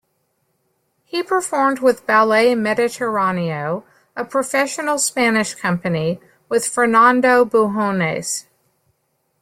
He performed with Ballet Mediterraneo, a professional Spanish company, with Fernando Bujones.